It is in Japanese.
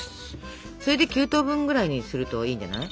それで９等分ぐらいにするといいんじゃない？